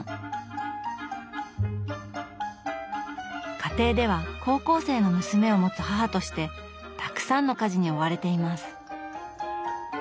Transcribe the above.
家庭では高校生の娘を持つ母としてたくさんの家事に追われています。